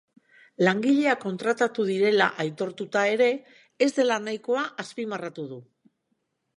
Langileak kontratatu direla aitortuta ere, ez dela nahikoa azpimarratu du.